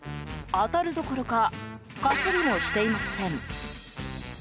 当たるどころかかすりもしていません。